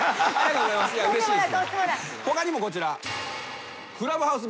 他にもこちら。